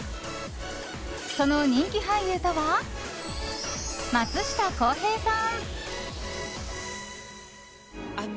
その人気俳優とは、松下洸平さん。